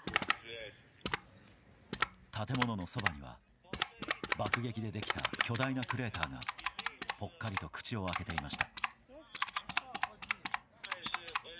建物のそばには、爆撃でできた巨大なクレーターがぽっかりと口を開けていました。